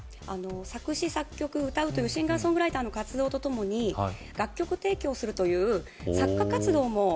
作詞・作曲・歌うというシンガーソングライターの活動と共に楽曲提供をするという作家活動も頑張っていたんですけれども